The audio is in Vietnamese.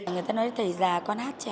người ta nói thầy già con hát trẻ